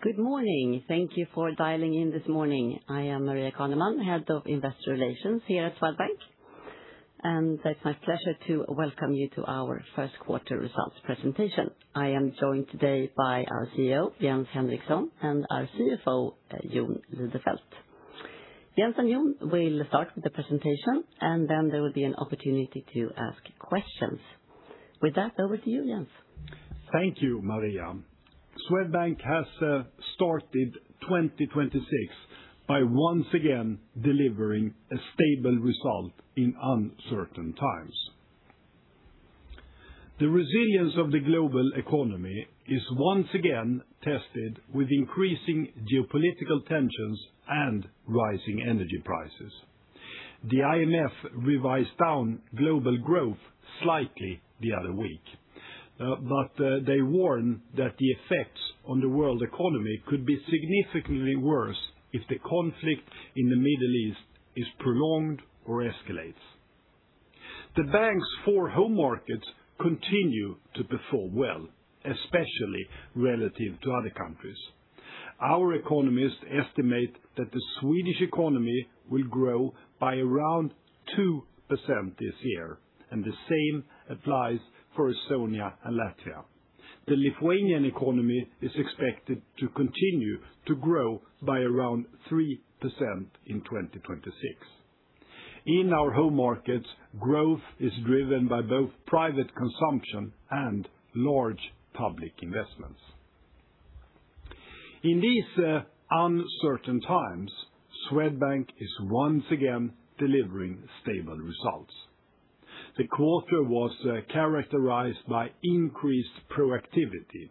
Good morning. Thank you for dialing in this morning. I am Maria Caneman, head of Investor Relations here at Swedbank, and it's my pleasure to welcome you to our first quarter results presentation. I am joined today by our CEO, Jens Henriksson, and our CFO, Jon Lidefelt. Jens and Jon will start with the presentation, and then there will be an opportunity to ask questions. With that, over to you, Jens. Thank you, Maria. Swedbank has started 2026 by once again delivering a stable result in uncertain times. The resilience of the global economy is once again tested with increasing geopolitical tensions and rising energy prices. The IMF revised down global growth slightly the other week, they warn that the effects on the world economy could be significantly worse if the conflict in the Middle East is prolonged or escalates. The banks for home markets continue to perform well, especially relative to other countries. Our economists estimate that the Swedish economy will grow by around 2% this year, and the same applies for Estonia and Latvia. The Lithuanian economy is expected to continue to grow by around 3% in 2026. In our home markets, growth is driven by both private consumption and large public investments. In these uncertain times, Swedbank is once again delivering stable results. The quarter was characterized by increased proactivity.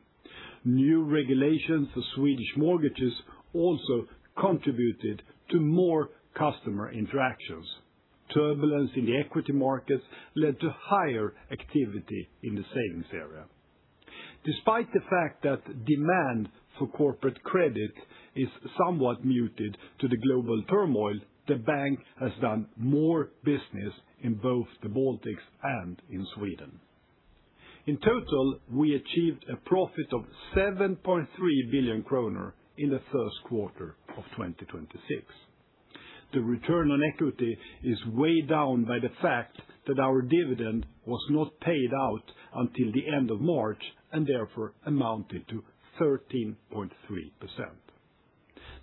New regulations for Swedish mortgages also contributed to more customer interactions. Turbulence in the equity markets led to higher activity in the savings area. Despite the fact that demand for corporate credit is somewhat muted to the global turmoil, the bank has done more business in both the Baltics and in Sweden. In total, we achieved a profit of 7.3 billion kronor in the first quarter of 2026. The return on equity is way down by the fact that our dividend was not paid out until the end of March and therefore amounted to 13.3%.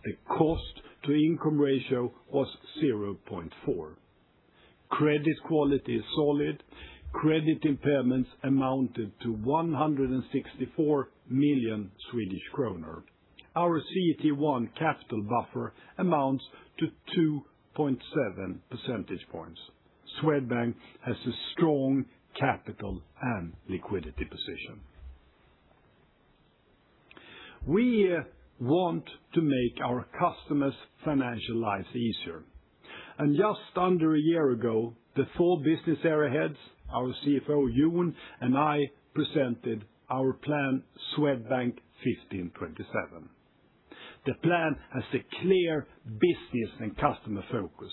The cost-to-income ratio was 0.4. Credit quality is solid. Credit impairments amounted to 164 million Swedish kronor. Our CET1 capital buffer amounts to 2.7 percentage points. Swedbank has a strong capital and liquidity position. We want to make our customers' financial lives easier. Just under a year ago, the four business area heads, our CFO Jon, and I presented our plan Swedbank 15/27. The plan has a clear business and customer focus.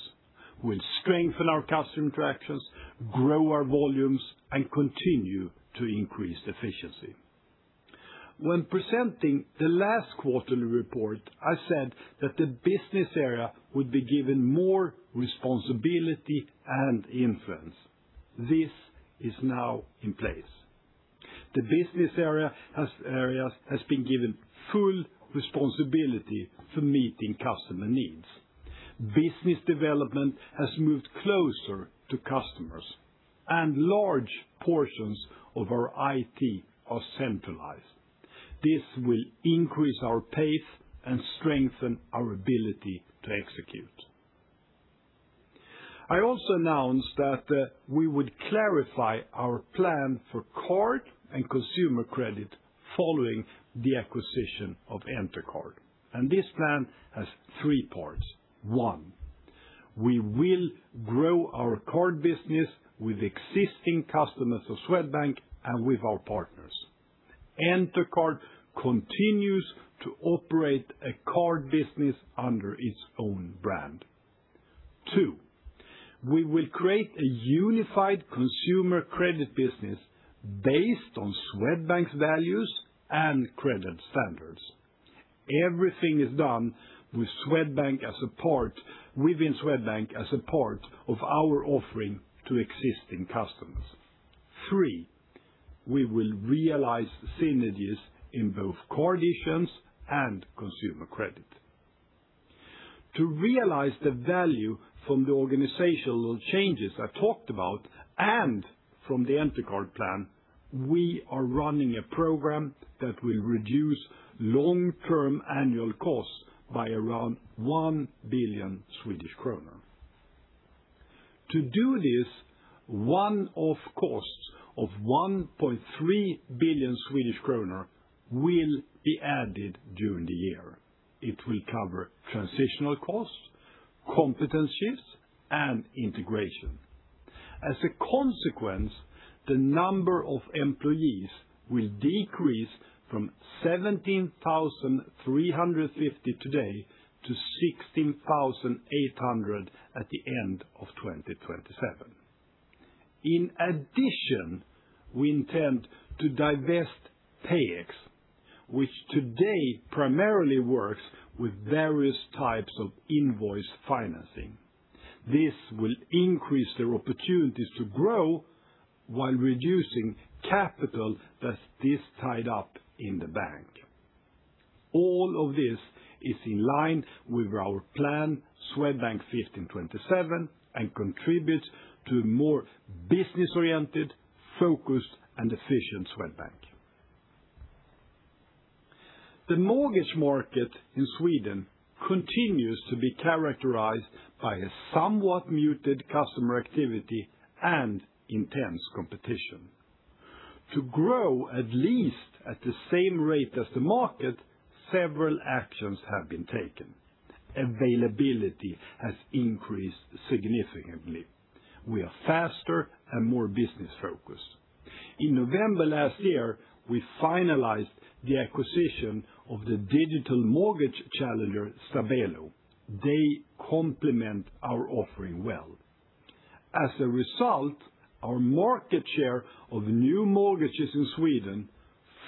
We'll strengthen our customer interactions, grow our volumes, and continue to increase efficiency. When presenting the last quarterly report, I said that the business area would be given more responsibility and influence. This is now in place. The business areas has been given full responsibility for meeting customer needs. Business development has moved closer to customers and large portions of our IT are centralized. This will increase our pace and strengthen our ability to execute. I also announced that we would clarify our plan for card and consumer credit following the acquisition of Entercard. This plan has three parts. One, we will grow our card business with existing customers of Swedbank and with our partners. Entercard continues to operate a card business under its own brand. Two, we will create a unified consumer credit business based on Swedbank's values and credit standards. Everything is done within Swedbank as a part of our offering to existing customers. Three, we will realize synergies in both card issuance and consumer credit. To realize the value from the organizational changes I talked about and from the Entercard plan, we are running a program that will reduce long-term annual costs by around 1 billion Swedish kronor. To do this, one-off costs of 1.3 billion Swedish kronor will be added during the year. It will cover transitional costs, competence shifts, and integration. As a consequence, the number of employees will decrease from 17,350 today to 16,800 at the end of 2027. In addition, we intend to divest PayEx, which today primarily works with various types of invoice financing. This will increase their opportunities to grow while reducing capital that is tied up in the bank. All of this is in line with our plan, Swedbank 15/27, and contributes to more business-oriented, focused, and efficient Swedbank. The mortgage market in Sweden continues to be characterized by a somewhat muted customer activity and intense competition. To grow at least at the same rate as the market, several actions have been taken. Availability has increased significantly. We are faster and more business-focused. In November last year, we finalized the acquisition of the digital mortgage challenger, Stabelo. They complement our offering well. As a result, our market share of new mortgages in Sweden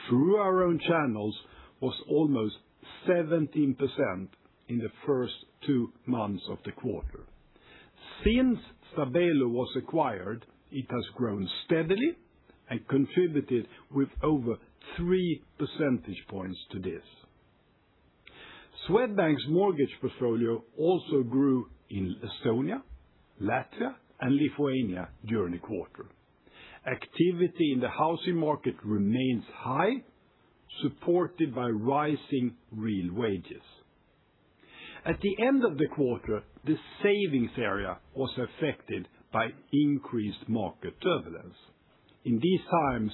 through our own channels was almost 17% in the first two months of the quarter. Since Stabelo was acquired, it has grown steadily and contributed with over 3 percentage points to this. Swedbank's mortgage portfolio also grew in Estonia, Latvia, and Lithuania during the quarter. Activity in the housing market remains high, supported by rising real wages. At the end of the quarter, the savings area was affected by increased market turbulence. In these times,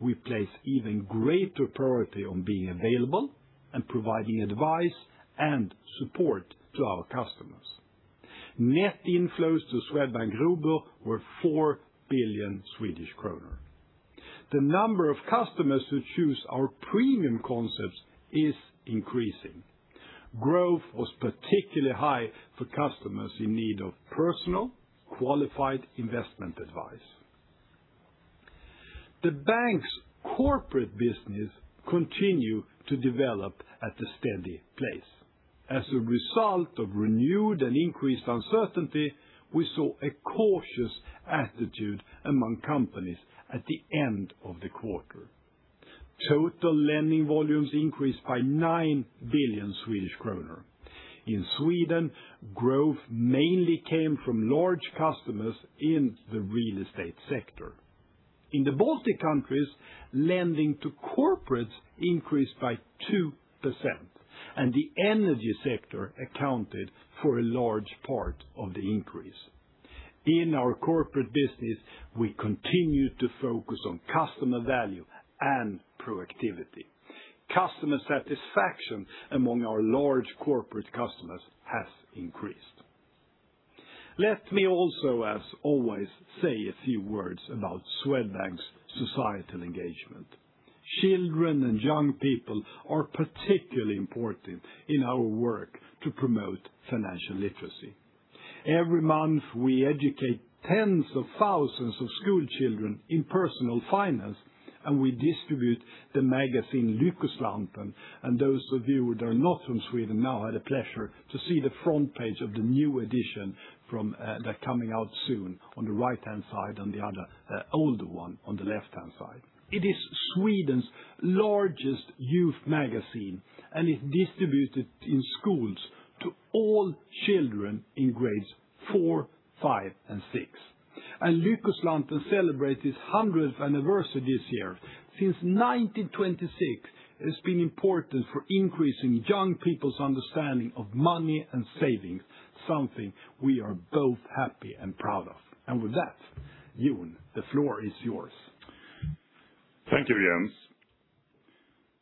we place even greater priority on being available and providing advice and support to our customers. Net inflows to Swedbank Robur were 4 billion Swedish kronor. The number of customers who choose our premium concepts is increasing. Growth was particularly high for customers in need of personal, qualified investment advice. The bank's corporate business continued to develop at a steady pace. As a result of renewed and increased uncertainty, we saw a cautious attitude among companies at the end of the quarter. Total lending volumes increased by 9 billion Swedish kronor. In Sweden, growth mainly came from large customers in the real estate sector. In the Baltic countries, lending to corporates increased by 2%, and the energy sector accounted for a large part of the increase. In our corporate business, we continued to focus on customer value and proactivity. Customer satisfaction among our large corporate customers has increased. Let me also, as always, say a few words about Swedbank's societal engagement. Children and young people are particularly important in our work to promote financial literacy. Every month, we educate tens of thousands of school children in personal finance. We distribute the magazine Lyckoslanten. Those of you who are not from Sweden now had a pleasure to see the front page of the new edition from that coming out soon on the right-hand side and the other older one on the left-hand side. It is Sweden's largest youth magazine. It's distributed in schools to all children in grades four, five, and six. Lyckoslanten celebrates its 100th anniversary this year. Since 1926, it's been important for increasing young people's understanding of money and savings, something we are both happy and proud of. With that, Jon, the floor is yours. Thank you, Jens.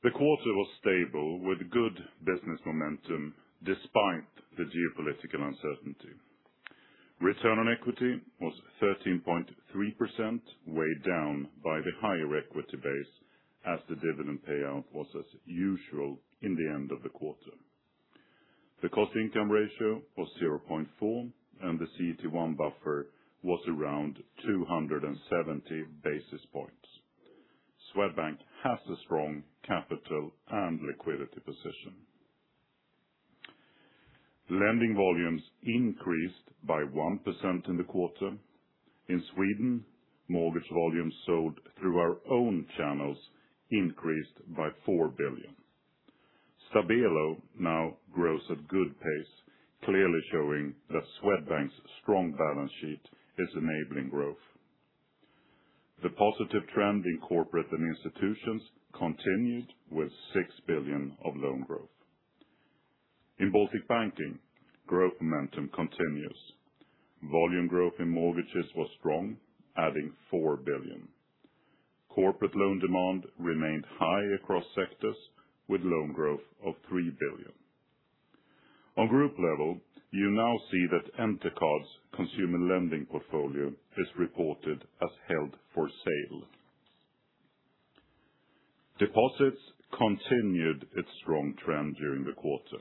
The quarter was stable with good business momentum despite the geopolitical uncertainty. Return on equity was 13.3%, weighed down by the higher equity base as the dividend payout was as usual in the end of the quarter. The cost-to-income ratio was 0.4, and the CET1 buffer was around 270 basis points. Swedbank has a strong capital and liquidity position. Lending volumes increased by 1% in the quarter. In Sweden, mortgage volumes sold through our own channels increased by 4 billion. Stabelo now grows at good pace, clearly showing that Swedbank's strong balance sheet is enabling growth. The positive trend in corporate and institutions continued with 6 billion of loan growth. In Baltic Banking, growth momentum continues. Volume growth in mortgages was strong, adding 4 billion. Corporate loan demand remained high across sectors with loan growth of 3 billion. On group level, you now see that Entercard's consumer lending portfolio is reported as held for sale. Deposits continued its strong trend during the quarter,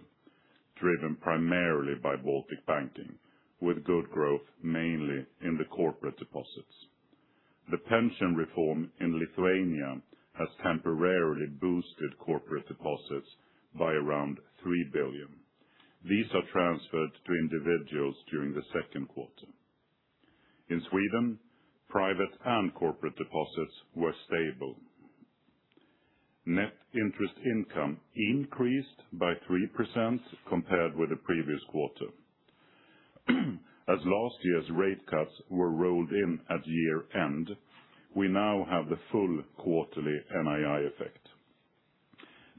driven primarily by Baltic Banking, with good growth mainly in the corporate deposits. The pension reform in Lithuania has temporarily boosted corporate deposits by around 3 billion. These are transferred to individuals during the second quarter. In Sweden, private and corporate deposits were stable. Net interest income increased by 3% compared with the previous quarter. As last year's rate cuts were rolled in at year-end, we now have the full quarterly NII effect.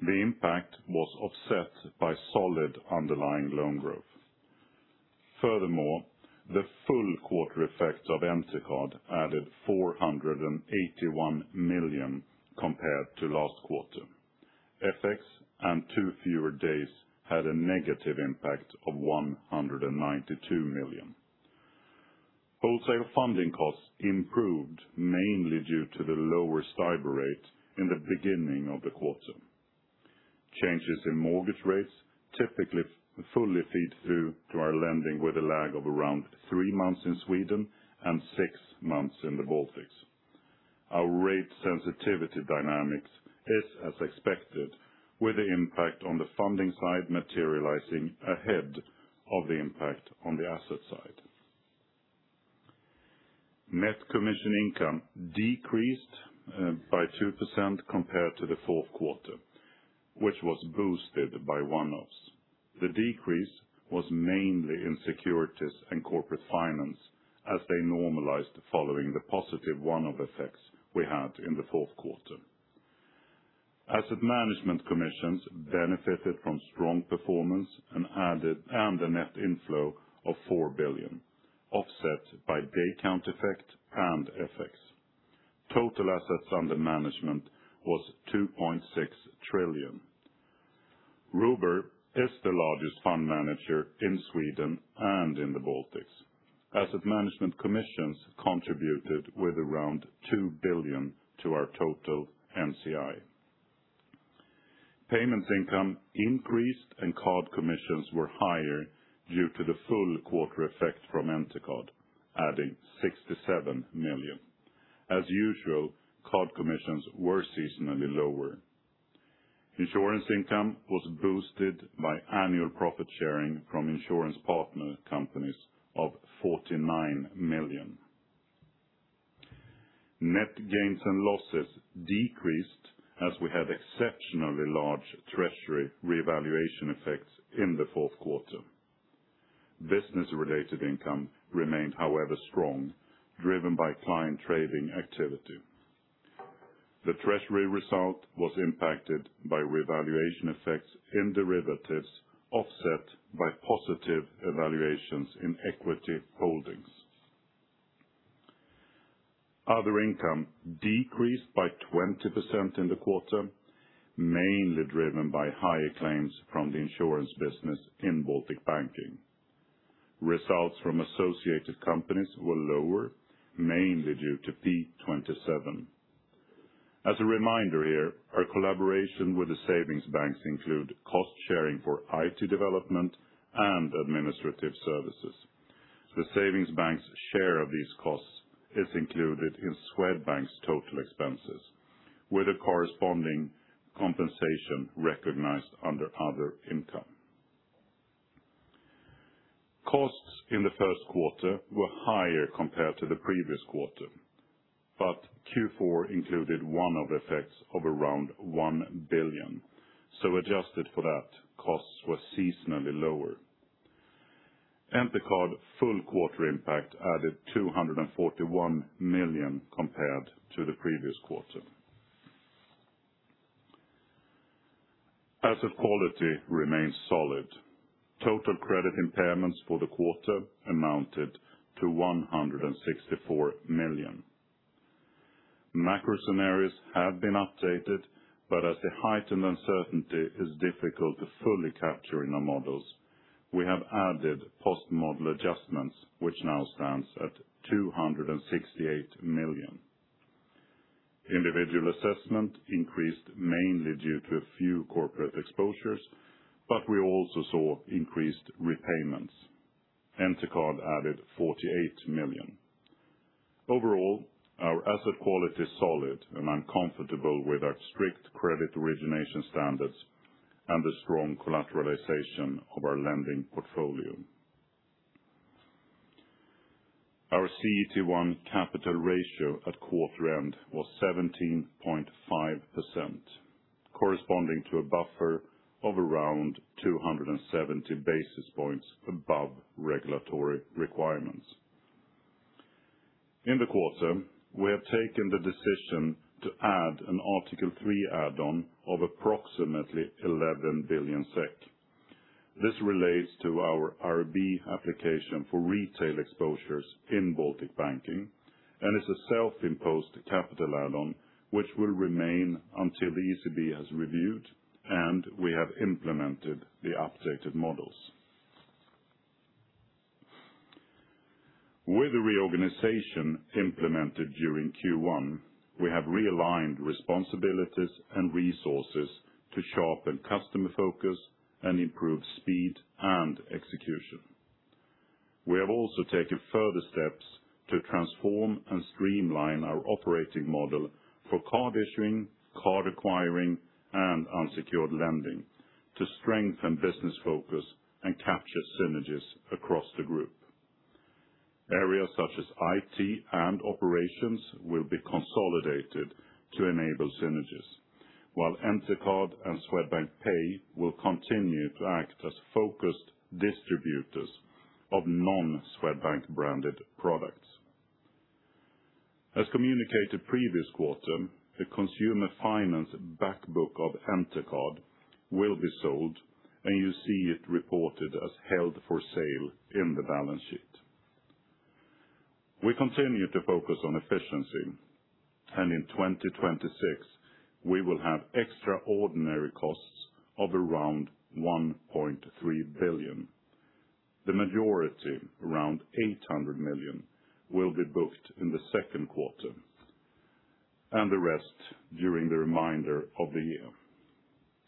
The impact was offset by solid underlying loan growth. Furthermore, the full quarter effects of Entercard added 481 million compared to last quarter. FX and two fewer days had a negative impact of 192 million. Wholesale funding costs improved mainly due to the lower STIBOR rate in the beginning of the quarter. Changes in mortgage rates typically fully feed through to our lending with a lag of around three months in Sweden and six months in the Baltics. Our rate sensitivity dynamics is as expected, with the impact on the funding side materializing ahead of the impact on the asset side. Net commission income decreased by 2% compared to the fourth quarter, which was boosted by one-offs. The decrease was mainly in securities and corporate finance as they normalized following the positive one-off effects we had in the fourth quarter. Asset management commissions benefited from strong performance and a net inflow of 4 billion, offset by day count effect and FX. Total assets under management was 2.6 trillion. Robur is the largest fund manager in Sweden and in the Baltics. Asset management commissions contributed with around 2 billion to our total NCI. Payments income increased and card commissions were higher due to the full quarter effect from Entercard, adding 67 million. As usual, card commissions were seasonally lower. Insurance income was boosted by annual profit sharing from insurance partner companies of 49 million. Net gains and losses decreased as we had exceptionally large treasury revaluation effects in the fourth quarter. Business-related income remained, however, strong, driven by client trading activity. The treasury result was impacted by revaluation effects in derivatives offset by positive evaluations in equity holdings. Other income decreased by 20% in the quarter, mainly driven by higher claims from the insurance business in Baltic Banking. Results from associated companies were lower, mainly due to P27. As a reminder here, our collaboration with the savings banks include cost sharing for IT development and administrative services. The savings bank's share of these costs is included in Swedbank's total expenses with a corresponding compensation recognized under other income. Costs in the first quarter were higher compared to the previous quarter. Q4 included one-off effects of around 1 billion. Adjusted for that, costs were seasonally lower. Entercard full quarter impact added 241 million compared to the previous quarter. Asset quality remains solid. Total credit impairments for the quarter amounted to 164 million. Macro scenarios have been updated. As the heightened uncertainty is difficult to fully capture in our models, we have added post-model adjustments, which now stands at 268 million. Individual assessment increased mainly due to a few corporate exposures. We also saw increased repayments. Entercard added 48 million. Overall, our asset quality is solid, and I'm comfortable with our strict credit origination standards and the strong collateralization of our lending portfolio. Our CET1 capital ratio at quarter end was 17.5%, corresponding to a buffer of around 270 basis points above regulatory requirements. In the quarter, we have taken the decision to add an Article 3 add-on of approximately 11 billion SEK. This relates to our IRB application for retail exposures in Baltic Banking and is a self-imposed capital add-on which will remain until the ECB has reviewed and we have implemented the updated models. With the reorganization implemented during Q1, we have realigned responsibilities and resources to sharpen customer focus and improve speed and execution. We have also taken further steps to transform and streamline our operating model for card issuing, card acquiring and unsecured lending to strengthen business focus and capture synergies across the group. Areas such as IT and operations will be consolidated to enable synergies while Entercard and Swedbank Pay will continue to act as focused distributors of non-Swedbank branded products. As communicated previous quarter, the consumer finance back book of Entercard will be sold and you see it reported as held for sale in the balance sheet. We continue to focus on efficiency and in 2026 we will have extraordinary costs of around 1.3 billion. The majority around 800 million will be booked in the second quarter and the rest during the remainder of the year.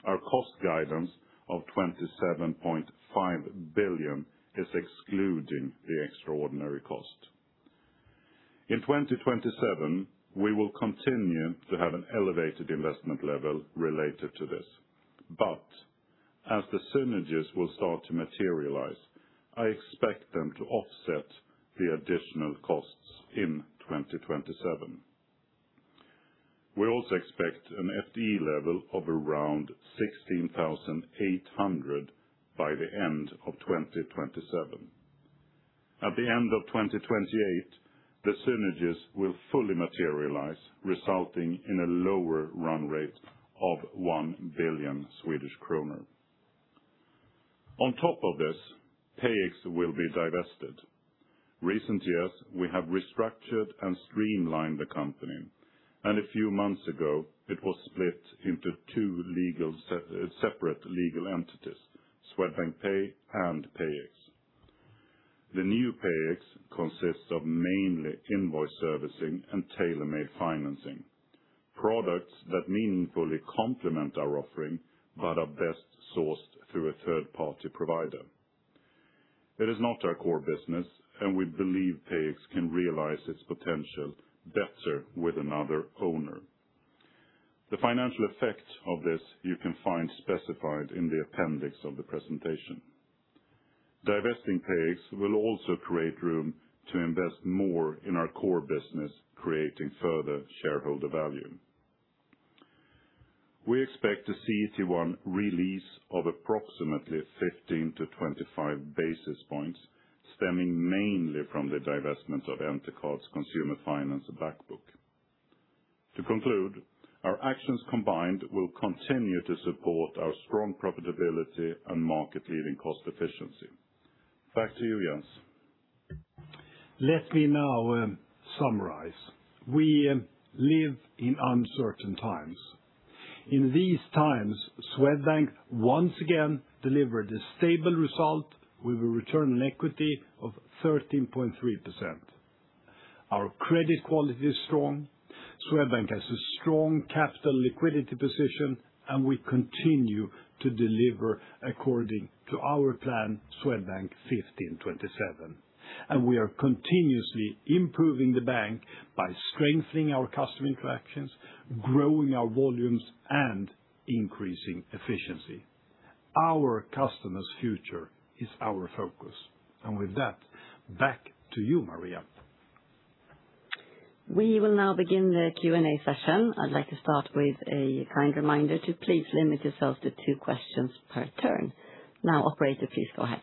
Our cost guidance of 27.5 billion is excluding the extraordinary cost. In 2027, we will continue to have an elevated investment level related to this, as the synergies will start to materialize, I expect them to offset the additional costs in 2027. We also expect an FTE level of around 16,800 by the end of 2027. At the end of 2028, the synergies will fully materialize, resulting in a lower run rate of 1 billion Swedish kronor. On top of this, PayEx will be divested. Recent years we have restructured and streamlined the company and a few months ago it was split into two separate legal entities Swedbank Pay and PayEx. The new PayEx consists of mainly invoice servicing and tailor-made financing products that meaningfully complement our offering but are best sourced through a third party provider. It is not our core business and we believe PayEx can realize its potential better with another owner. The financial effect of this you can find specified in the appendix of the presentation. Divesting PayEx will also create room to invest more in our core business, creating further shareholder value. We expect to see CET1 release of approximately 15 basis points to 25 basis points stemming mainly from the divestment of Entercard's consumer finance back book. To conclude, our actions combined will continue to support our strong profitability and market leading cost efficiency. Back to you, Jens. Let me now summarize. We live in uncertain times. In these times, Swedbank once again delivered a stable result with a return on equity of 13.3%. Our credit quality is strong. Swedbank has a strong capital liquidity position and we continue to deliver according to our plan Swedbank 15/27. We are continuously improving the bank by strengthening our customer interactions, growing our volumes, and increasing efficiency. Our customers future is our focus. With that, back to you Maria. We will now begin the Q&A session. I'd like to start with a kind reminder to please limit yourself to two questions per turn. Now, operator, please go ahead.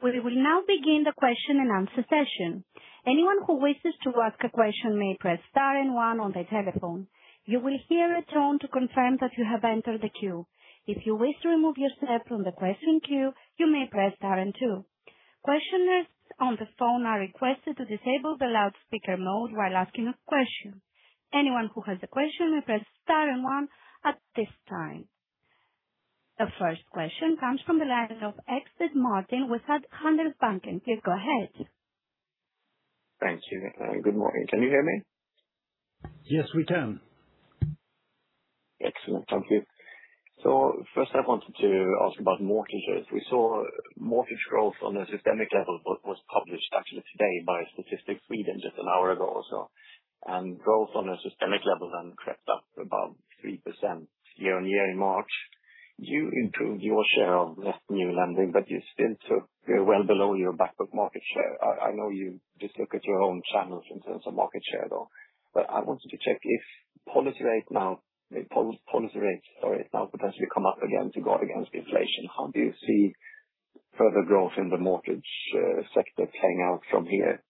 We will now begin the question-and-answer session. Anyone who wishes to ask a question may press star one on their telephone. You will hear a tone to confirm that you have entered the queue. If you wish to remove yourself from the question queue, you may press star two. Questioners on the phone are requested to disable the loudspeaker mode while asking a question. Anyone who has a question may press star one at this time. The first question comes from the line of Martin Ekstedt with Handelsbanken. Please go ahead. Thank you. Good morning. Can you hear me? Yes, we can. Excellent. Thank you. First I wanted to ask about mortgages. We saw mortgage growth on a systemic level, but was published actually today by Statistics Sweden just an hour ago or so, and growth on a systemic level then crept up above 3% year-on-year in March. You improved your share of net new lending, but you still took well below your back of market share. I know you just look at your own channels in terms of market share, though, but I wanted to check if policy rates, sorry, now potentially come up again to guard against inflation. How do you see further growth in the mortgage sector playing out from here?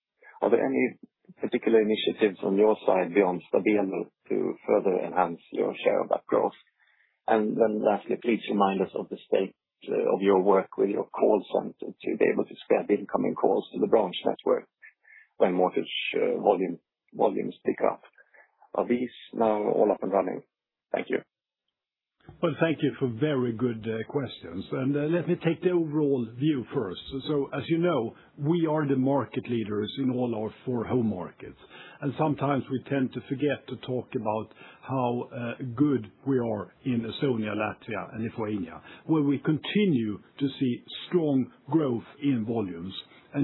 Are there any particular initiatives on your side beyond Stabelo to further enhance your share of that growth? Then lastly, please remind us of the state of your work with your calls on to be able to scale the incoming calls to the branch network when mortgage volume pick up. Are these now all up and running? Thank you. Well, thank you for very good questions. Let me take the overall view first. As you know, we are the market leaders in all our four home markets, and sometimes we tend to forget to talk about how good we are in Estonia, Latvia, and Lithuania, where we continue to see strong growth in volumes.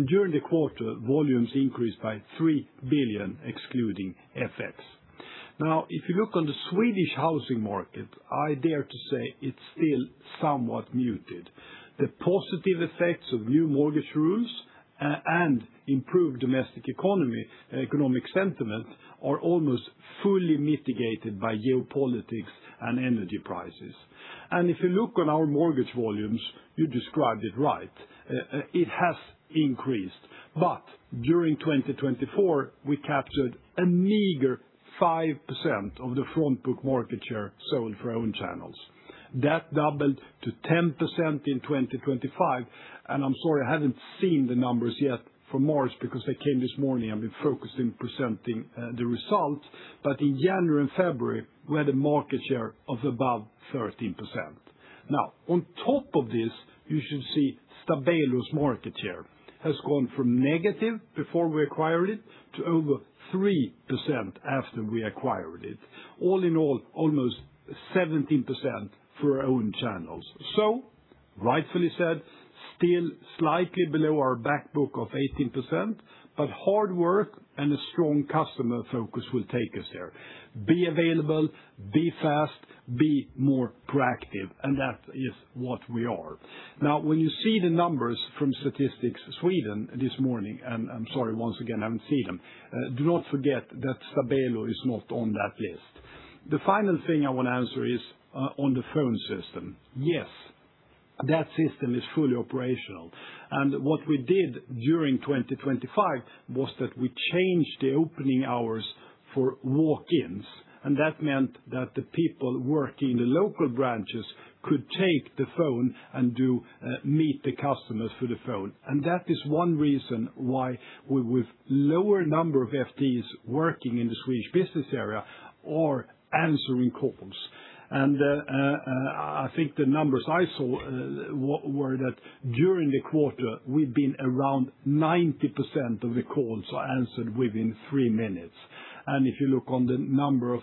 During the quarter, volumes increased by 3 billion, excluding effects. If you look on the Swedish housing market, I dare to say it's still somewhat muted. The positive effects of new mortgage rules and improved domestic economy, economic sentiment, are almost fully mitigated by geopolitics and energy prices. If you look on our mortgage volumes, you described it right. It has increased. During 2024, we captured a meager 5% of the front book market share sold for our own channels. That doubled to 10% in 2025. I'm sorry, I haven't seen the numbers yet for March because they came this morning and we're focused in presenting the results. In January and February, we had a market share of above 13%. On top of this, you should see Stabelo's market share has gone from negative before we acquired it to over 3% after we acquired it. All in all, almost 17% for our own channels. Rightfully said, still slightly below our back book of 18%, hard work and a strong customer focus will take us there. Be available, be fast, be more proactive, that is what we are. When you see the numbers from Statistics Sweden this morning, I'm sorry once again, I haven't seen them, do not forget that Stabelo is not on that list. The final thing I want to answer is on the phone system. Yes, that system is fully operational. What we did during 2025 was that we changed the opening hours for walk-ins, and that meant that the people working in the local branches could take the phone and do meet the customers through the phone. That is one reason why we with lower number of FTs working in the Swedish business area are answering calls. I think the numbers I saw were that during the quarter, we've been around 90% of the calls are answered within 3 minutes. If you look on the number of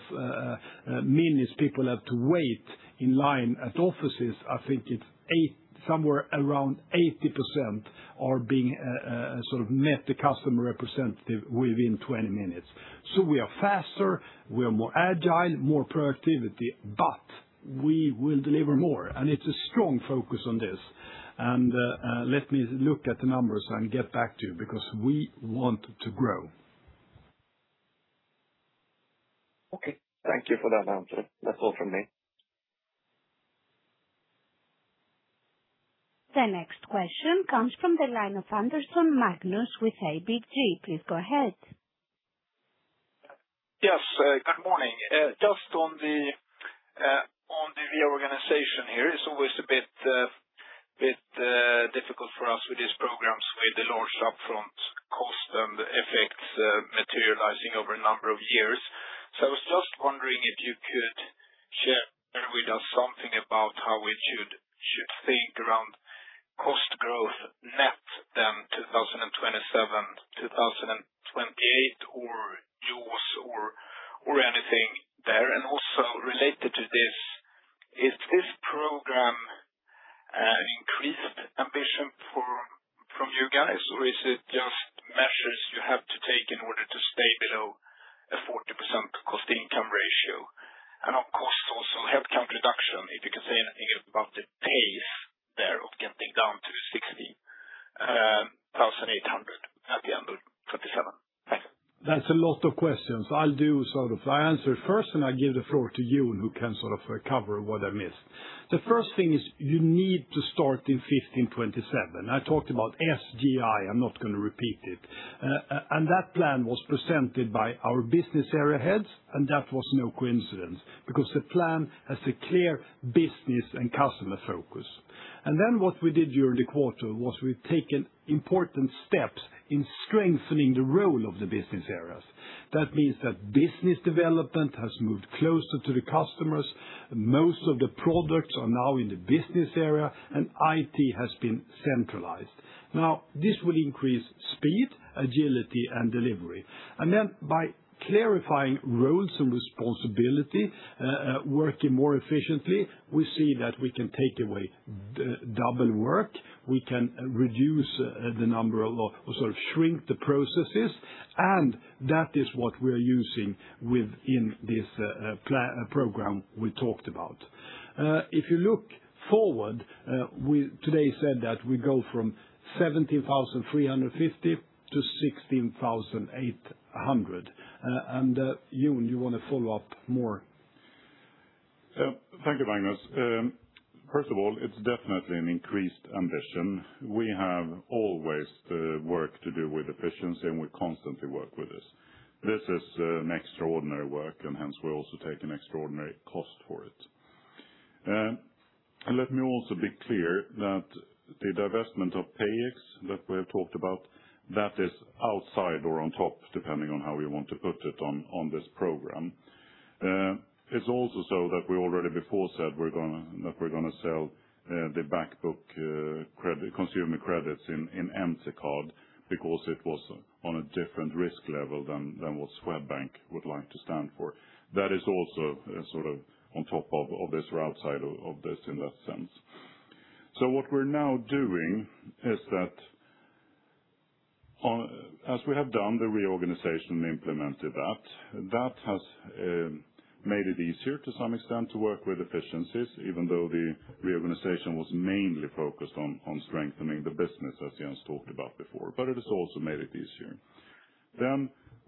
minutes people have to wait in line at offices, I think it's somewhere around 80% are being sort of met the customer representative within 20 minutes. We are faster, we are more agile, more productivity, but we will deliver more. It's a strong focus on this. Let me look at the numbers and get back to you because we want to grow. Okay. Thank you for that answer. That's all from me. The next question comes from the line of Magnus Andersson with ABG. Please go ahead. Good morning. Just on the reorganization here, it's always a bit difficult for us with these programs with the large upfront cost and the effects materializing over a number of years. I was just wondering if you could share with us something about how we should think around cost growth net 2027, 2028. Related to this, is this program increased ambition for from you guys, or is it just measures you have to take in order to stay below a 40% cost-to-income ratio? Headcount reduction, if you can say anything about the pace there of getting down to 16,800 at the end of 2027. Thanks. That's a lot of questions. I answer first, and I give the floor to Jon who can sort of cover what I missed. The first thing is you need to start in 15/27. I talked about SGI. I'm not going to repeat it. That plan was presented by our business area heads, and that was no coincidence because the plan has a clear business and customer focus. Then what we did during the quarter was we've taken important steps in strengthening the role of the business areas. That means that business development has moved closer to the customers, most of the products are now in the business area, and IT has been centralized. Now, this will increase speed, agility, and delivery. By clarifying roles and responsibility, working more efficiently, we see that we can take away the double work, we can reduce the number of or sort of shrink the processes, and that is what we're using within this program we talked about. If you look forward, we today said that we go from 17,350 to 16,800. Jon, you wanna follow-up more? Thank you, Magnus. First of all, it's definitely an increased ambition. We have always work to do with efficiency, and we constantly work with this. This is an extraordinary work, hence we also take an extraordinary cost for it. Let me also be clear that the divestment of PayEx that we have talked about, that is outside or on top, depending on how we want to put it on this program. It's also so that we already before said we're gonna sell the back book, credit, consumer credits in Entercard because it was on a different risk level than what Swedbank would like to stand for. That is also sort of on top of this or outside of this in that sense. What we're now doing is that on. As we have done the reorganization and implemented that has made it easier to some extent to work with efficiencies, even though the reorganization was mainly focused on strengthening the business, as Jens talked about before. It has also made it easier.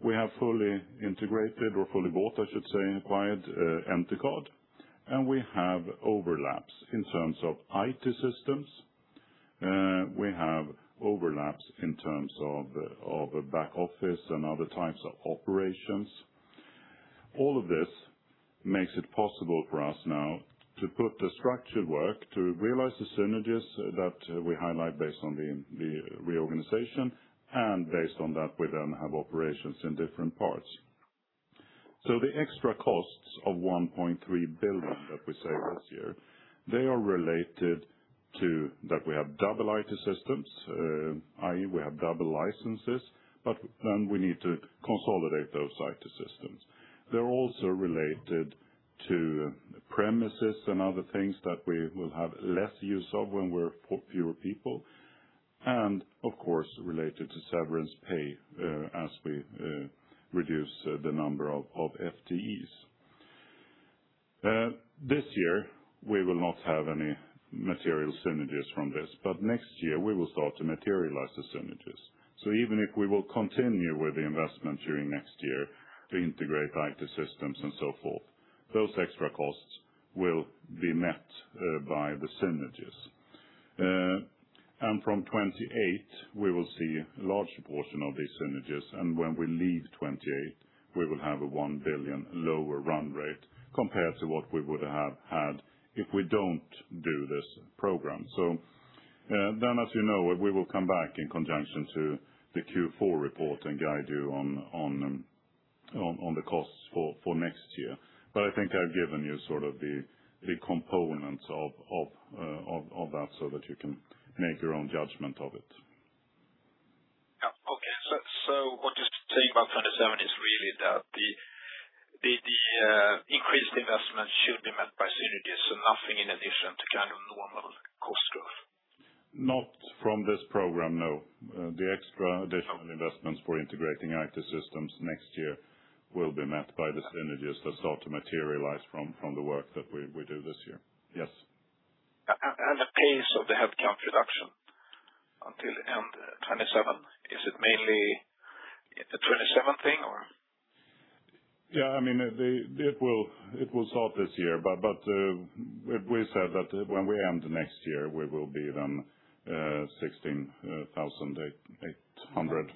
We have fully integrated or fully bought, I should say, acquired, Entercard, and we have overlaps in terms of IT systems. We have overlaps in terms of a back office and other types of operations. All of this makes it possible for us now to put the structured work to realize the synergies that we highlight based on the reorganization, and based on that, we then have operations in different parts. The extra costs of 1.3 billion that we save this year, they are related to that we have double IT systems, i.e., we have double licenses, but then we need to consolidate those IT systems. They are also related to premises and other things that we will have less use of when we're fewer people, and of course, related to severance pay, as we reduce the number of FTEs. This year, we will not have any material synergies from this, next year we will start to materialize the synergies. Even if we will continue with the investment during next year to integrate IT systems and so forth, those extra costs will be met by the synergies. From 2028, we will see a large portion of these synergies. When we leave 2028, we will have a 1 billion lower run rate compared to what we would have had if we don't do this program. As you know, we will come back in conjunction to the Q4 report and guide you on the costs for next year. I think I've given you sort of the components of that so that you can make your own judgment of it. Yeah. Okay. What you're saying about 2027 is really that the increased investment should be met by synergies and nothing in addition to kind of normal cost of? Not from this program, no. The extra additional investments for integrating IT systems next year will be met by the synergies that start to materialize from the work that we do this year. Yes. The pace of the headcount reduction until end 2027, is it mainly the 2027 thing or? Yeah, I mean, it will start this year. We said that when we end next year, we will be then 16,800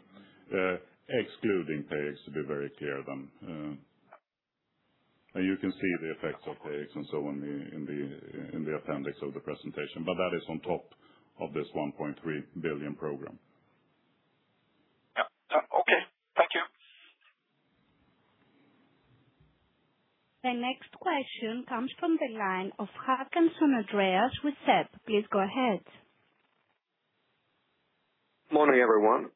excluding PayEx, to be very clear then. You can see the effects of PayEx and so on in the appendix of the presentation. That is on top of this 1.3 billion program. Yeah. Yeah. Okay. Thank you. The next question comes from the line of Andreas Håkansson with SEB. Please go ahead. Morning, everyone.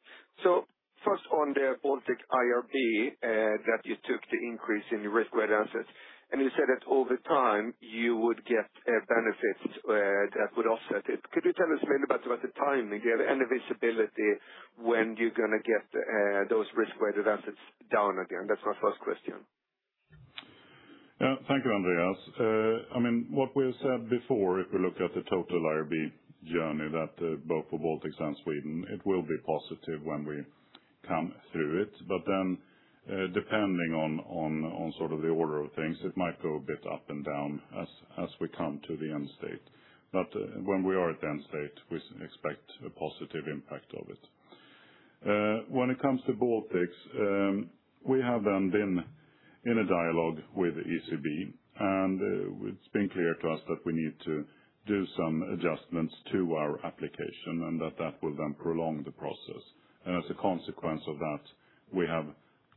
First on the Baltics IRB, that you took the increase in your Risk-Weighted Assets, and you said that over time you would get benefits that would offset it. Could you tell us maybe about the timing? Do you have any visibility when you're gonna get those Risk-Weighted Assets down again? That's my first question. Yeah. Thank you, Andreas. I mean, what we have said before, if we look at the total IRB journey that, both for Baltics and Sweden, it will be positive when we come through it. Depending on sort of the order of things, it might go a bit up and down as we come to the end state. When we are at the end state, we expect a positive impact of it. When it comes to Baltics, we have then been in a dialogue with ECB, and it's been clear to us that we need to do some adjustments to our application and that that will then prolong the process. As a consequence of that, we have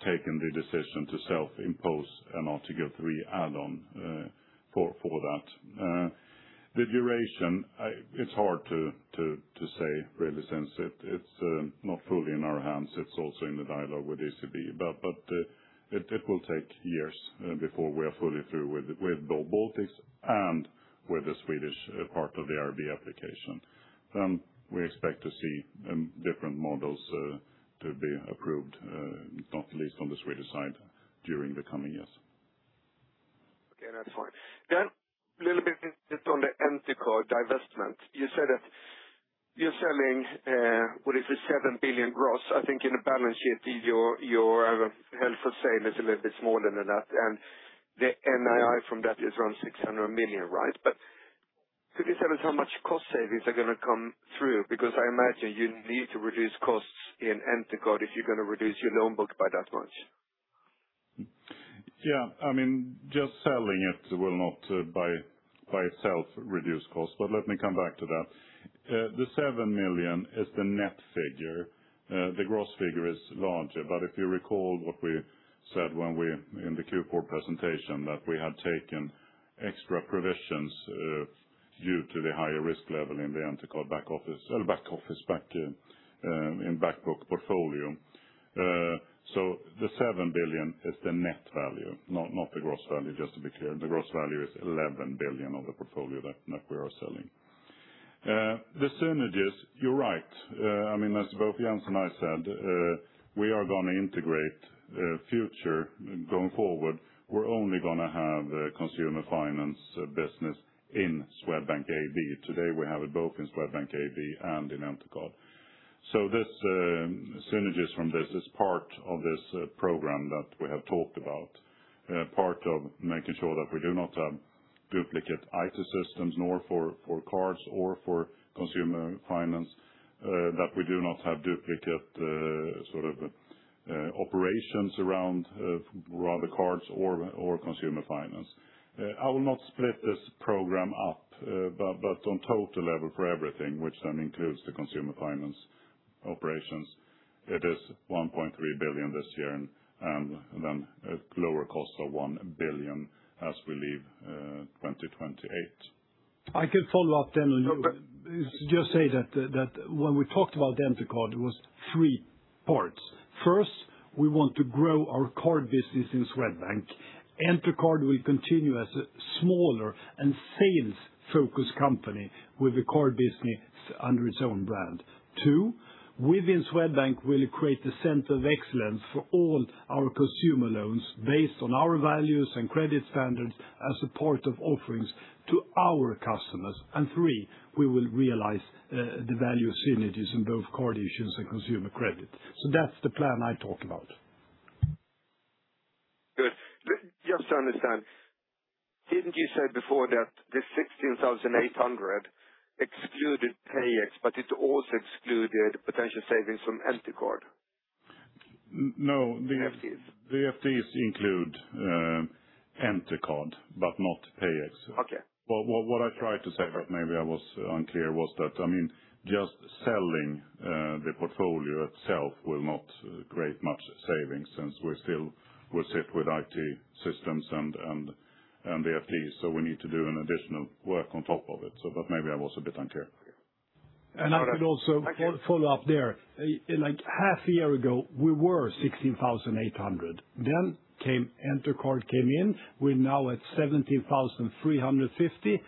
taken the decision to self-impose an Article 3 add-on for that. The duration, I... It's hard to say really, since it's not fully in our hands. It's also in the dialogue with ECB. It will take years before we are fully through with both Baltics and with the Swedish part of the IRB application. We expect to see different models to be approved not least on the Swedish side during the coming years. Okay. That's fine. A little bit on the Entercard divestment. You said that you're selling, what is it, 7 billion gross. I think in the balance sheet, your held for sale is a little bit smaller than that, and the NII from that is around 600 million, right? Could you tell us how much cost savings are gonna come through? Because I imagine you need to reduce costs in Entercard if you're gonna reduce your loan book by that much. I mean, just selling it will not by itself reduce costs. Let me come back to that. The 7 million is the net figure. The gross figure is larger. If you recall what we said in the Q4 presentation, that we had taken extra provisions due to the higher risk level in the Entercard back book portfolio. The 7 billion is the net value, not the gross value, just to be clear. The gross value is 11 billion of the portfolio that we are selling. The synergies, you're right. I mean, as both Jens and I said, we are gonna integrate future going forward. We're only gonna have a consumer finance business in Swedbank AB. Today, we have it both in Swedbank AB and in Entercard. This synergies from this is part of this program that we have talked about, part of making sure that we do not have duplicate IT systems nor for cards or for consumer finance, that we do not have duplicate sort of operations around rather cards or consumer finance. I will not split this program up, but on total level for everything, which then includes the consumer finance operations, it is 1.3 billion this year and then a lower cost of 1 billion as we leave 2028. I can follow-up then. No. Just say that when we talked about Entercard, it was three parts. First, we want to grow our card business in Swedbank. Entercard will continue as a smaller and sales-focused company with the card business under its own brand. Two, within Swedbank, we'll create the center of excellence for all our consumer loans based on our values and credit standards as a part of offerings to our customers. Three, we will realize the value synergies in both card issues and consumer credit. That's the plan I talked about. Good. Just to understand, didn't you say before that the 16,800 excluded PayEx, but it also excluded potential savings from Entercard? N-no. VFTs. VFTs include Entercard, but not PayEx. Okay. What I tried to say, but maybe I was unclear, was that, I mean, just selling the portfolio itself will not create much savings since we still will sit with IT systems and the FTEs. We need to do an additional work on top of it. Maybe I was a bit unclear. Okay. Thank you. I could also follow-up there. Like half a year ago, we were 16,800. Entercard came in. We're now at 17,350,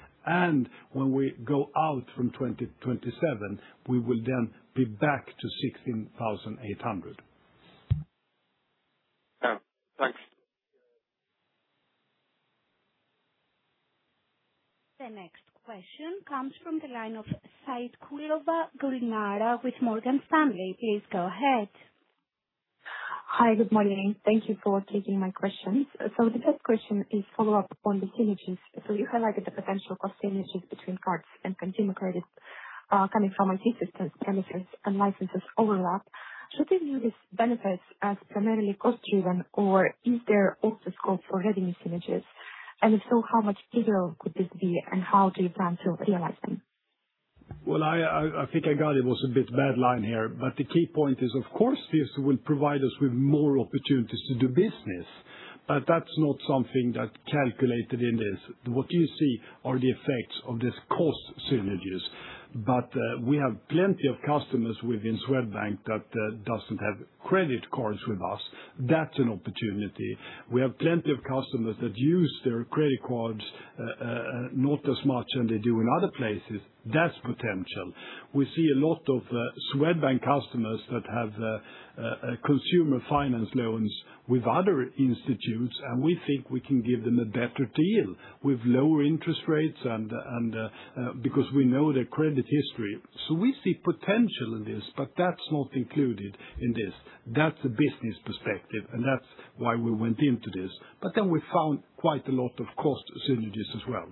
when we go out from 2027, we will then be back to 16,800. Yeah. Thanks. The next question comes from the line of Gulnara Saitkulova with Morgan Stanley. Please go ahead. Hi. Good morning. Thank you for taking my questions. The first question is follow-up on the synergies. You highlighted the potential cost synergies between cards and consumer credits, coming from IT systems, premises, and licenses overlap. Should they view these benefits as primarily cost-driven, or is there also scope for revenue synergies? If so, how much bigger could this be, and how do you plan to realize them? I think I got it. It was a bit bad line here. The key point is, of course, this will provide us with more opportunities to do business, but that's not something that calculated in this. What you see are the effects of this cost synergies. We have plenty of customers within Swedbank that doesn't have credit cards with us. That's an opportunity. We have plenty of customers that use their credit cards not as much as they do in other places. That's potential. We see a lot of Swedbank customers that have consumer finance loans with other institutes, and we think we can give them a better deal with lower interest rates and because we know their credit history. We see potential in this, but that's not included in this. That's a business perspective, and that's why we went into this. We found quite a lot of cost synergies as well.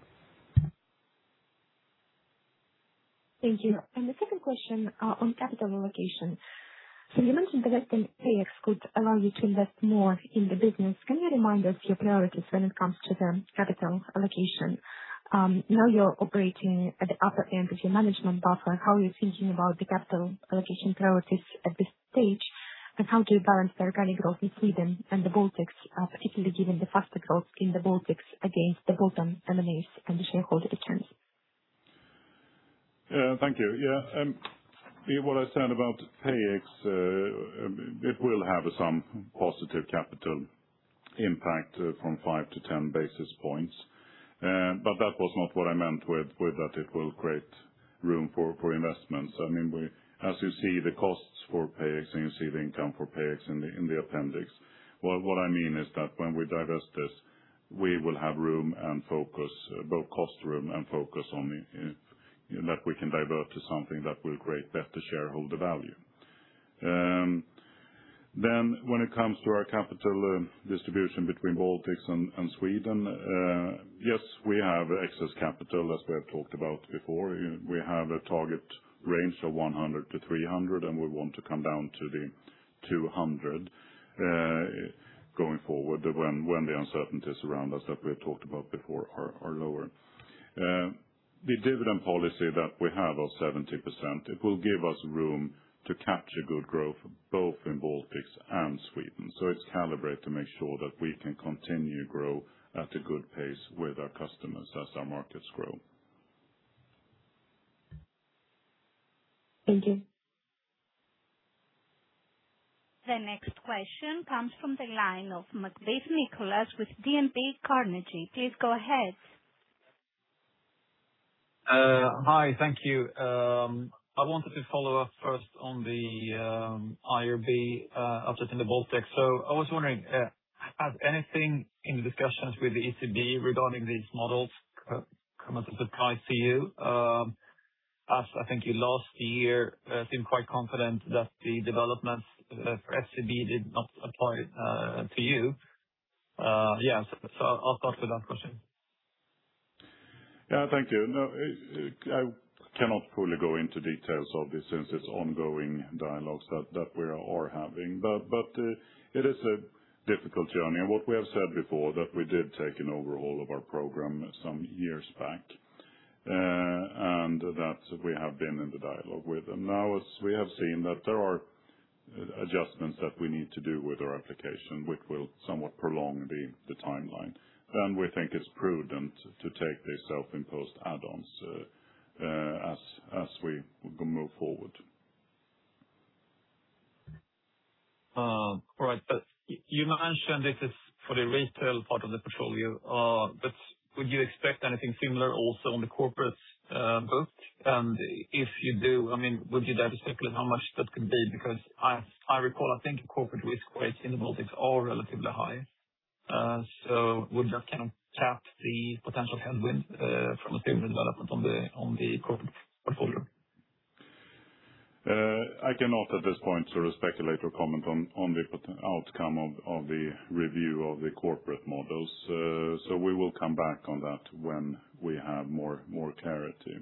Thank you. The second question on capital allocation. You mentioned the rest in PayEx could allow you to invest more in the business. Can you remind us your priorities when it comes to the capital allocation? Now you're operating at the upper end of your management buffer. How are you thinking about the capital allocation priorities at this stage? How do you balance the organic growth in Sweden and the Baltics, particularly given the faster growth in the Baltics against the bottom M&As and the shareholder returns? Thank you. What I said about PayEx, it will have some positive capital impact from 5 basis points to 10 basis points. That was not what I meant with that it will create room for investments. I mean, as you see the costs for PayEx, and you see the income for PayEx in the appendix. What I mean is that when we divest this, we will have room and focus, both cost room and focus on the, you know, that we can divert to something that will create better shareholder value. When it comes to our capital distribution between Baltics and Sweden, yes, we have excess capital as we have talked about before. We have a target range of 100-300, and we want to come down to the 200 going forward when the uncertainties around us that we have talked about before are lower. The dividend policy that we have of 70%, it will give us room to capture good growth both in Baltics and Sweden. It's calibrated to make sure that we can continue to grow at a good pace with our customers as our markets grow. Thank you. The next question comes from the line of Nicolas Macbeth with DNB Carnegie. Please go ahead. Hi. Thank you. I wanted to follow-up first on the IRB update in the Baltics. I was wondering, has anything in discussions with the ECB regarding these models come as a surprise to you? As I think you last year seemed quite confident that the developments for ECB did not apply to you. Yeah, I'll start with that question. Yeah, thank you. I cannot fully go into details of this since it's ongoing dialogues that we are having. It is a difficult journey. What we have said before, that we did take an overhaul of our program some years back, and that we have been in the dialogue with them. Now, as we have seen that there are adjustments that we need to do with our application, which will somewhat prolong the timeline. We think it's prudent to take these self-imposed add-ons as we move forward. All right. You mentioned this is for the retail part of the portfolio, would you expect anything similar also on the corporate book? If you do, I mean, would you dare to speculate how much that could be? I recall, I think corporate risk weights in the Baltics are relatively high. Would that kind of cap the potential headwind from a similar development on the corporate portfolio? I cannot at this point sort of speculate or comment on the outcome of the review of the corporate models. We will come back on that when we have more clarity.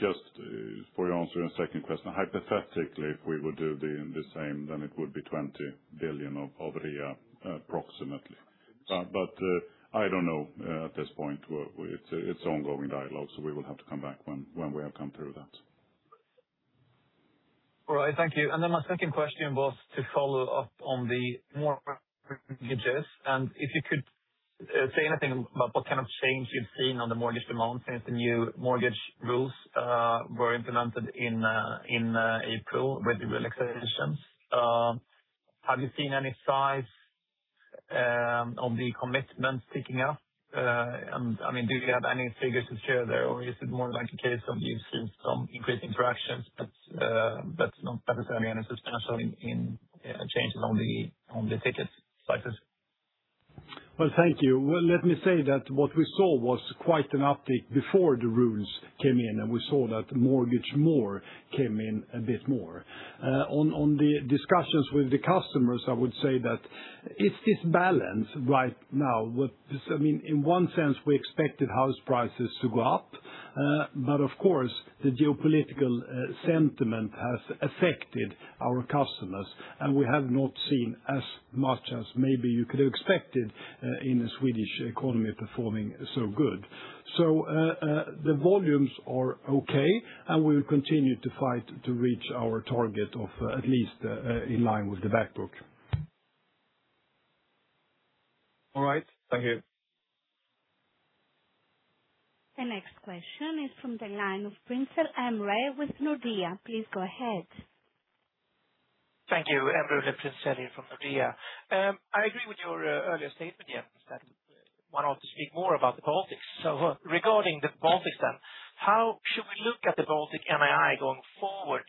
Just for your answer on the second question, hypothetically, if we would do the same, then it would be 20 billion of RWA approximately. I don't know at this point. It's ongoing dialogue, we will have to come back when we have come through that. All right, thank you. My second question was to follow-up if you could say anything about what kind of change you've seen on the mortgage amount since the new mortgage rules were implemented in April with the relaxations. Have you seen any size of the commitments picking up? I mean, do you have any figures to share there, or is it more like a case of you've seen some increased interactions, but not necessarily any substantial changes on the ticket sizes? Well, thank you. Let me say that what we saw was quite an uptick before the rules came in, and we saw that mortgage more came in a bit more. On the discussions with the customers, I would say that it's this balance right now. I mean, in one sense, we expected house prices to go up. Of course, the geopolitical sentiment has affected our customers, and we have not seen as much as maybe you could have expected in a Swedish economy performing so good. The volumes are okay, and we will continue to fight to reach our target of at least in line with the back book. All right. Thank you. The next question is from the line of Prinzell Emre with Nordea. Please go ahead. Thank you. Emre Ünlü Prinzell from Nordea. I agree with your earlier statement, Jens Henriksson, that one ought to speak more about the Baltics. Regarding the Baltics then, how should we look at the Baltic NII going forward?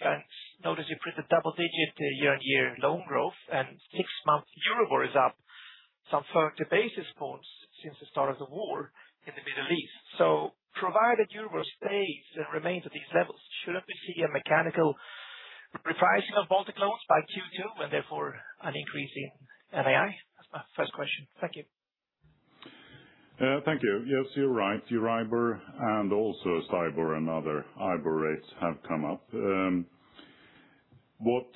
Notice you printed double-digit year-on-year loan growth and six-month Euribor is up some 30 basis points since the start of the war in the Middle East. Provided Euribor stays and remains at these levels, shouldn't we see a mechanical repricing of Baltic loans by Q2 and therefore an increase in NII? That's my first question. Thank you. Thank you. Yes, you're right. Euribor and also STIBOR and other IBOR rates have come up. What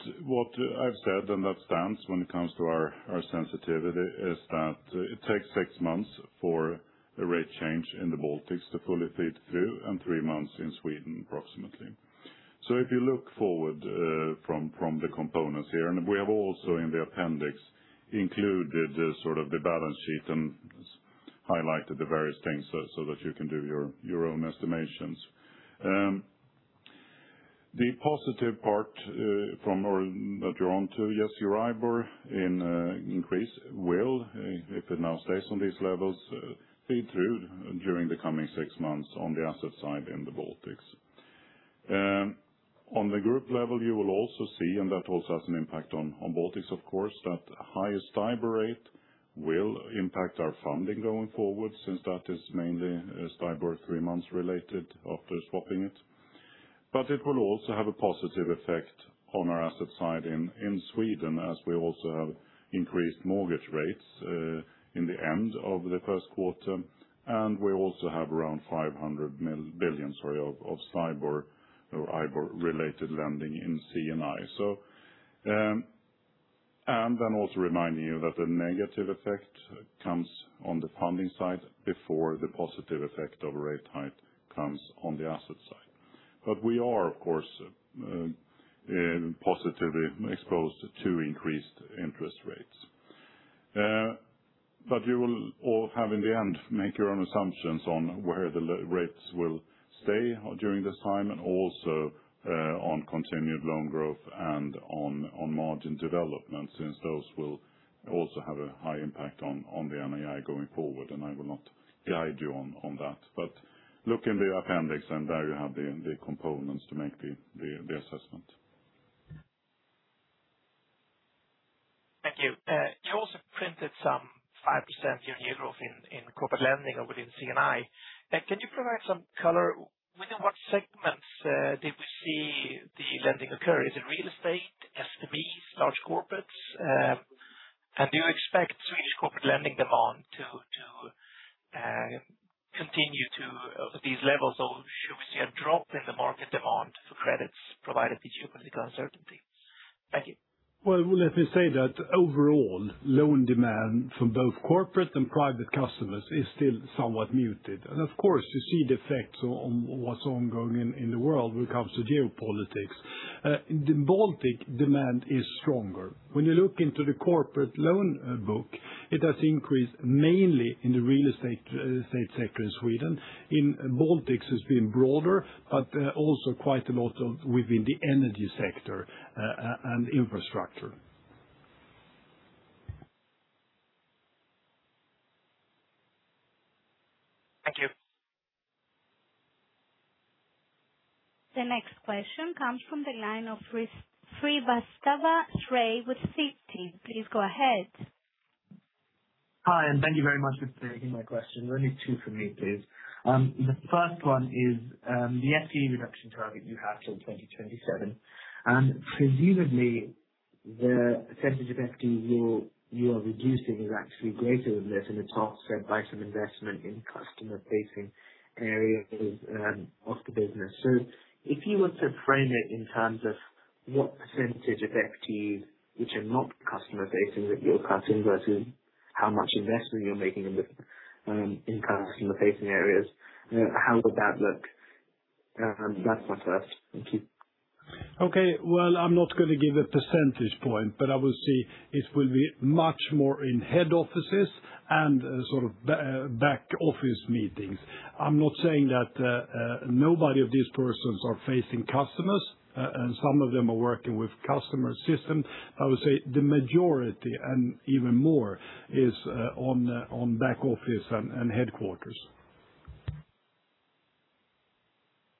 I've said, and that stands when it comes to our sensitivity, is that it takes six months for a rate change in the Baltics to fully feed through and three months in Sweden, approximately. If you look forward from the components here, and we have also in the appendix included the sort of the balance sheet and highlighted the various things so that you can do your own estimations. The positive part that you're on to, yes, Euribor in increase will, if it now stays on these levels, feed through during the coming six months on the asset side in the Baltics. On the group level, you will also see, and that also has an impact on Baltics, of course, that higher STIBOR rate will impact our funding going forward since that is mainly a STIBOR three months related after swapping it. It will also have a positive effect on our asset side in Sweden, as we also have increased mortgage rates in the end of the first quarter. We also have around 500 billion, sorry, of STIBOR or IBOR-related lending in C&I. Then also reminding you that the negative effect comes on the funding side before the positive effect of a rate hike comes on the asset side. We are, of course, positively exposed to two increased interest rates. You will all have in the end make your own assumptions on where rates will stay during this time, and also on continued loan growth and on margin development, since those will also have a high impact on the NII going forward. I will not guide you on that. Look in the appendix, and there you have the components to make the assessment. Thank you. You also printed some 5% year-over-year growth in corporate lending or within C&I. Can you provide some color? Within what segments did we see the lending occur? Is it real estate, SMEs, large corporates? Do you expect Swedish corporate lending demand to continue to these levels? Should we see a drop in the market demand for credits provided the geopolitical uncertainty? Thank you. Well, let me say that overall, loan demand from both corporate and private customers is still somewhat muted. Of course, you see the effects on what's ongoing in the world when it comes to geopolitics. The Baltic demand is stronger. When you look into the corporate loan book, it has increased mainly in the real estate sector in Sweden. In Baltics, it's been broader, but also quite a lot of within the energy sector and infrastructure. Thank you. The next question comes from the line of Shrey Srivastava with Citi. Please go ahead. Hi, thank you very much for taking my question. There are only two for me, please. The first one is the FTE reduction target you have till 2027. Presumably, the percentage of FTE you're reducing is actually greater than this in the top set by some investment in customer-facing areas of the business. If you were to frame it in terms of what percentage of FTEs which are not customer-facing that you're cutting versus how much investment you're making in the in customer-facing areas, how would that look? That's my first. Thank you. Okay. Well, I'm not gonna give a percentage point, but I will say it will be much more in head offices and sort of back office meetings. I'm not saying that nobody of these persons are facing customers, and some of them are working with customer system. I would say the majority and even more is on back office and headquarters.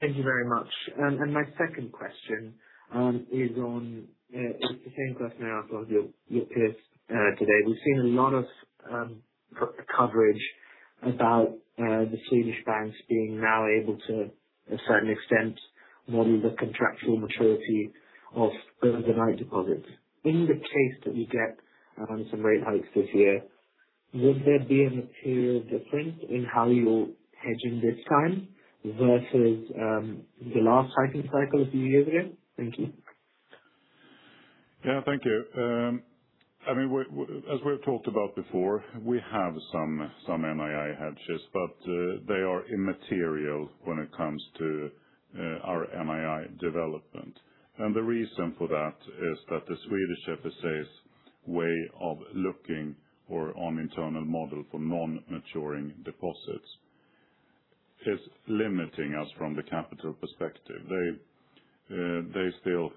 Thank you very much. My second question is on, it's the same question I asked of your peers today. We've seen a lot of coverage about the Swedish banks being now able to, a certain extent, model the contractual maturity of overnight deposits. In the case that we get some rate hikes this year, would there be a material difference in how you're hedging this time versus the last hiking cycle a few years ago? Thank you. Yeah. Thank you. I mean, we're as we've talked about before, we have some NII hedges, but they are immaterial when it comes to our NII development. The reason for that is that the Swedish FSA's way of looking for on internal model for non-maturing deposits is limiting us from the capital perspective. They still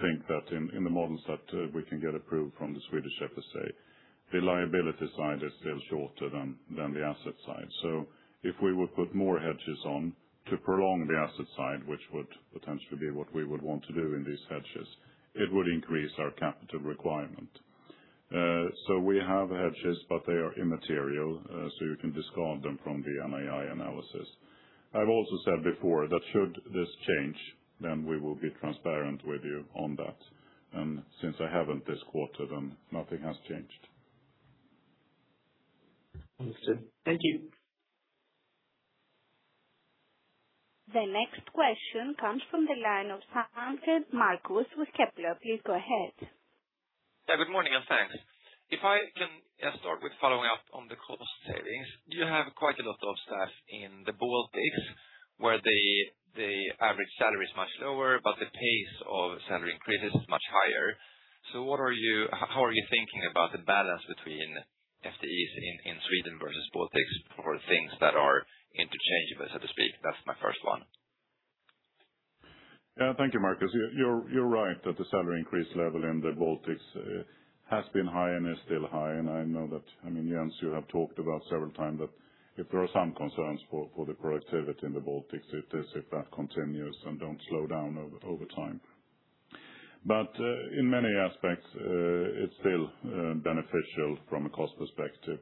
think that in the models that we can get approved from the Swedish FSA, the liability side is still shorter than the asset side. If we would put more hedges on to prolong the asset side, which would potentially be what we would want to do in these hedges, it would increase our capital requirement. We have hedges, but they are immaterial, you can discard them from the NII analysis. I've also said before that should this change, then we will be transparent with you on that. Since I haven't this quarter, nothing has changed. Understood. Thank you. The next question comes from the line of Markus Sandgren with Kepler. Please go ahead. Good morning, and thanks. If I can start with following up on the cost savings, you have quite a lot of staff in the Baltics, where the average salary is much lower, but the pace of salary increase is much higher. How are you thinking about the balance between FTEs in Sweden versus Baltics for things that are interchangeable, so to speak? That's my first one. Yeah. Thank you, Markus. You're right that the salary increase level in the Baltics has been high and is still high. I know that I mean, Jens, you have talked about several times that if there are some concerns for the productivity in the Baltics, it is if that continues and don't slow down over time. In many aspects, it's still beneficial from a cost perspective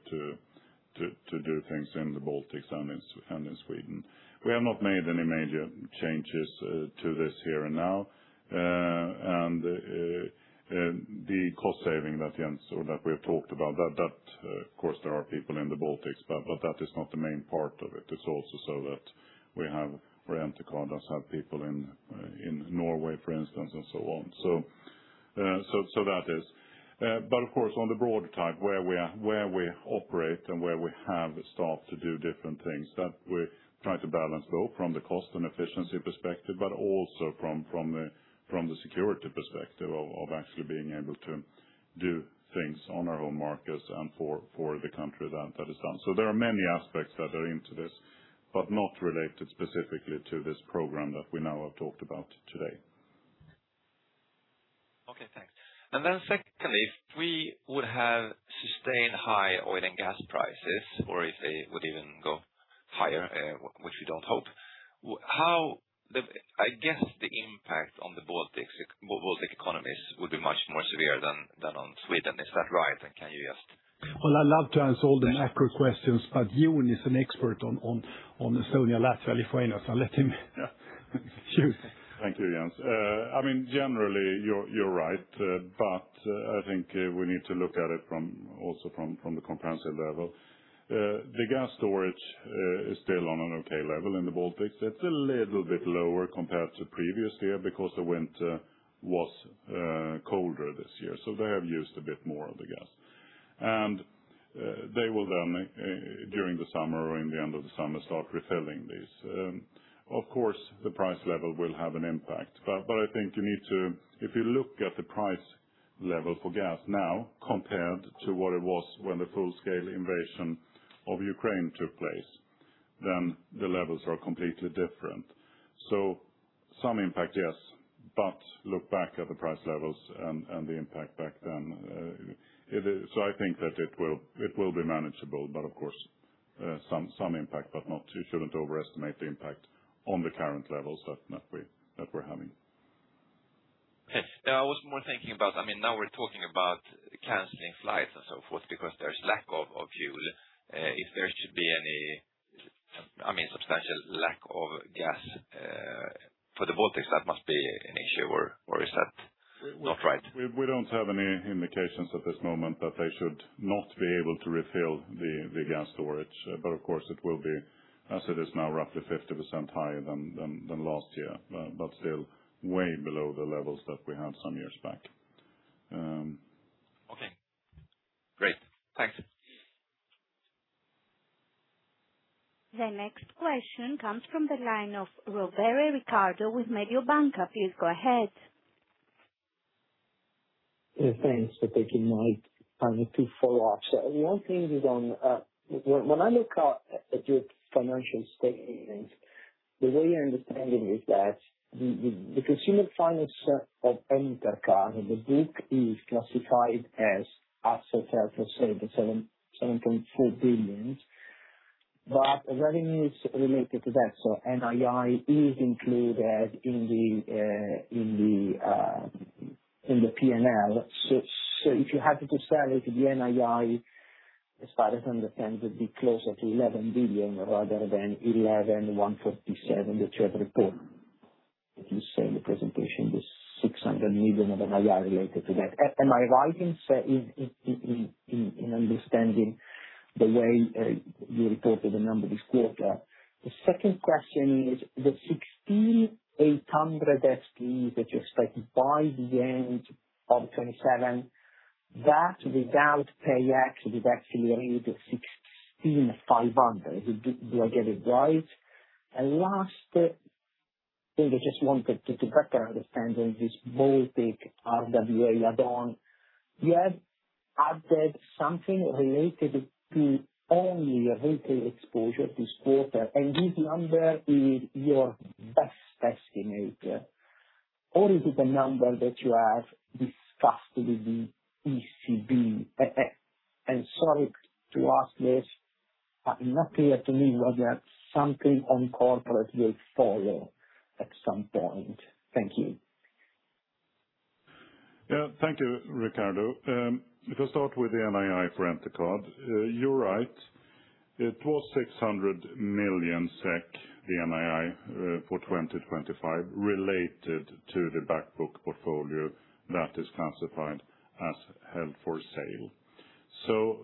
to do things in the Baltics and in Sweden. We have not made any major changes to this here and now. The cost saving that Jens or that we have talked about, of course, there are people in the Baltics, but that is not the main part of it. It's also so that we have, for Entercard, does have people in Norway, for instance, and so on. That is. Of course, on the broader type, where we are, where we operate and where we have staff to do different things, that we try to balance both from the cost and efficiency perspective, but also from the security perspective of actually being able to do things on our home markets and for the country that is done. There are many aspects that are into this, but not related specifically to this program that we now have talked about today. Okay, thanks. Secondly, if we would have sustained high oil and gas prices or if they would even go higher, which we don't hope, I guess the impact on the Baltic economies would be much more severe than on Sweden. Is that right? Well, I love to answer all the macro questions, but Jon is an expert on Estonia, Latvia, Lithuania, so I'll let him choose. Thank you, Jens. I mean, generally, you're right, I think we need to look at it from the comprehensive level. The gas storage is still on an okay level in the Baltics. It's a little bit lower compared to previous year because the winter was colder this year. They have used a bit more of the gas. They will then, during the summer or in the end of the summer, start refilling this. Of course, the price level will have an impact. I think you need to If you look at the price level for gas now compared to what it was when the full-scale invasion of Ukraine took place, the levels are completely different. Some impact, yes, but look back at the price levels and the impact back then. I think that it will be manageable, but of course, some impact, but not too. We shouldn't overestimate the impact on the current levels that we're having. Yeah, I was more thinking about, I mean, now we're talking about canceling flights and so forth because there's lack of fuel. If there should be any, I mean, substantial lack of gas for the Baltics, that must be an issue or is that not right? We don't have any indications at this moment that they should not be able to refill the gas storage. Of course, it will be, as it is now, roughly 50% higher than last year, but still way below the levels that we had some years back. Okay. Great. Thanks. The next question comes from the line of Riccardo Rovere with Mediobanca. Please go ahead. Yeah, thanks for taking my call. Two follow-ups. One thing is on. When I look at your financial statements, the way I understand it is that the consumer finance of Entercard, the book is classified as assets held for sale to 7.4 billion. The revenue is related to that, NII is included in the P&L. If you had to sell it, the NII, as far as I understand, would be closer to 11 billion rather than 11,157 that you have reported. If you say in the presentation, there's 600 million of NII related to that. Am I right in understanding the way you reported the number this quarter? The second question is the 16,800 FDs that you expect by the end of 2027, that without PayEx is actually only 16,500. Do I get it right? Last, think I just wanted to get a better understanding of this Baltic RWA add-on. You have added something related to only retail exposure this quarter, and this number is your best estimate. Or is it the number that you have discussed with the ECB? Sorry to ask this, but not clear to me whether something on corporate will follow at some point. Thank you. Thank you, Riccardo. If I start with the NII for Entercard, you're right. It was 600 million SEK, the NII, for 2025, related to the back book portfolio that is classified as held for sale.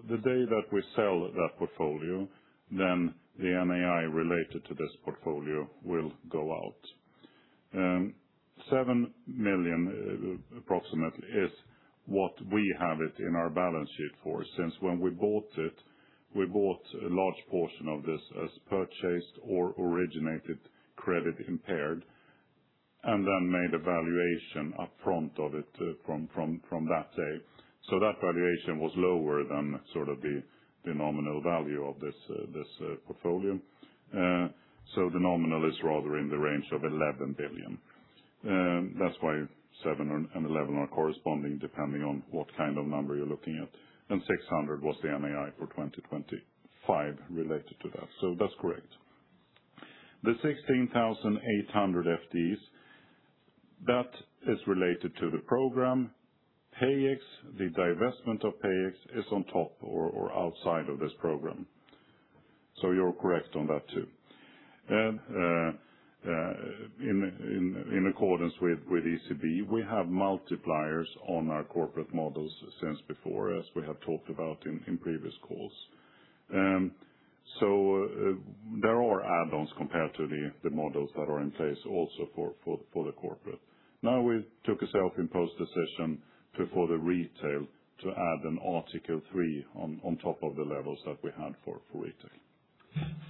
The day that we sell that portfolio, the NII related to this portfolio will go out. 7 million, approximately, is what we have it in our balance sheet for. Since when we bought it, we bought a large portion of this as purchased or originated credit-impaired, and made a valuation upfront of it from that day. That valuation was lower than sort of the nominal value of this portfolio. The nominal is rather in the range of 11 billion. That's why 7 million and 11 million are corresponding depending on what kind of number you're looking at, and 600 was the NII for 2025 related to that. That's correct. The 16,800 FTEs, that is related to the program. PayEx, the divestment of PayEx is on top or outside of this program. You're correct on that too. In accordance with ECB, we have multipliers on our corporate models since before, as we have talked about in previous calls. There are add-ons compared to the models that are in place also for the corporate. We took a self-imposed decision for the retail to add an Article 3 on top of the levels that we had for retail.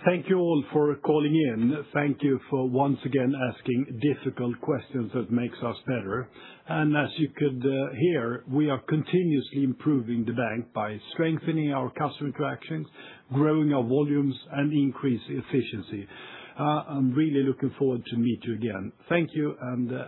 Thank you all for calling in. Thank you for once again asking difficult questions that makes us better. As you could hear, we are continuously improving the bank by strengthening our customer interactions, growing our volumes, and increase efficiency. I'm really looking forward to meet you again. Thank you.